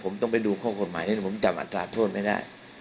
ผมต้องไปดูข้อกฎหมายผมจำอัตราโทษไม่ได้